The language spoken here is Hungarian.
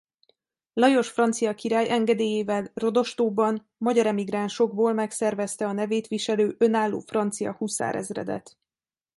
Lajos francia király engedélyével Rodostóban magyar emigránsokból megszervezte a nevét viselő önálló francia huszárezredet.